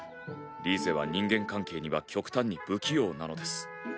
リーゼは人間関係には極端に不器用なのです。